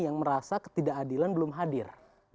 yang merasa ketidakadilan belum hadir